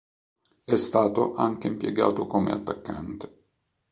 È stato anche impiegato come attaccante.